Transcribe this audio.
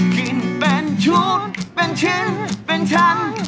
กินเป็นชุดเป็นชิ้นเป็นชั้น